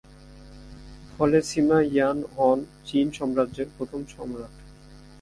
ফলে Sima Yan হন চিন সাম্রাজ্যের প্রথম সম্রাট।